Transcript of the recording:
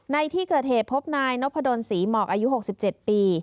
ในที่เกิดเหตุพบนายนพดลศรีหมอกอายุ๖๗ปี